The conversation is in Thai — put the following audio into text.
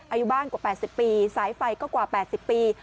อายุบ้านกว่า๘๐ปีสายไฟก็กว่า๘๐ปี